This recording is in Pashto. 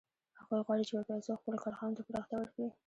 هغوی غواړي چې په پیسو خپلو کارخانو ته پراختیا ورکړي